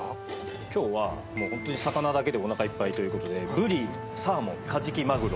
今日はホントに魚だけでおなかいっぱいということでブリサーモンカジキマグロ。